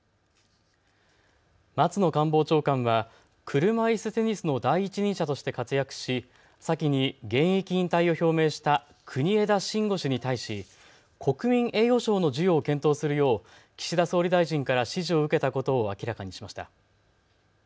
松野官房長官は車いすテニスの第一人者として活躍し先に現役引退を表明した国枝慎吾氏に対し国民栄誉賞の授与を検討するよう岸田総理大臣から指示を受けたことを明らかにしました。